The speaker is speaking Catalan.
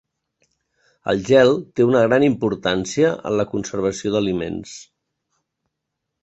El gel té una gran importància en la conservació d'aliments.